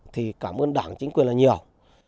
thì cảm ơn đảng chính quyền là nhiều